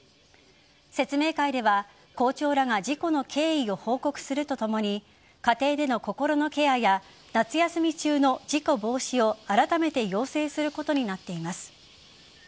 説明会では、校長らが事故の経緯を報告するとともに家庭での心のケアや夏休み中の事故防止をあらためて要請することになっています。